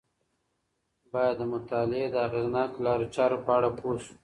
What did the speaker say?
باید د مطالعې د اغیزناکو لارو چارو په اړه پوه شو.